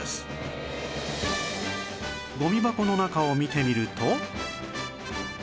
ゴミ箱の中を見てみると